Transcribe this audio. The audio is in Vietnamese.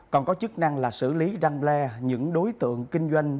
còn có chức năng là xử lý răng le những đối tượng kinh doanh